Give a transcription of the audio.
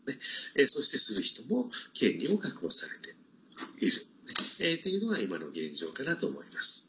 そして、する人も権利を確保されているというのが今の現状かなと思います。